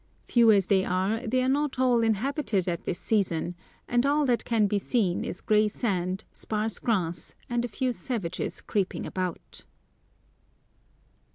Few as they are, they are not all inhabited at this season, and all that can be seen is grey sand, sparse grass, and a few savages creeping about.